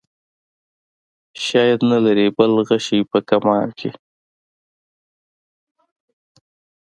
شاید نه لرې بل غشی په کمان کې.